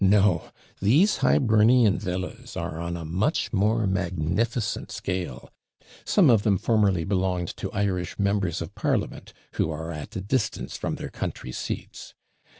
No: these Hibernian villas are on a much more magnificent scale; some of them formerly belonged to Irish members of Parliament, who are at a distance from their country seats.